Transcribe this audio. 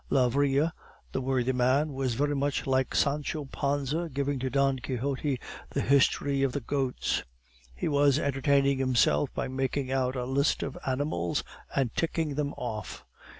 Lavrille, the worthy man, was very much like Sancho Panza giving to Don Quixote the history of the goats; he was entertaining himself by making out a list of animals and ticking them off.